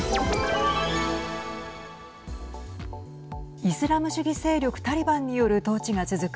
イスラム主義勢力タリバンによる統治が続く